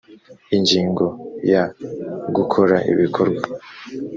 ingingo ya gukora ibikorwa